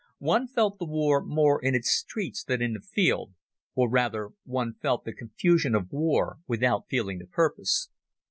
One felt the war more in its streets than in the field, or rather one felt the confusion of war without feeling the purpose.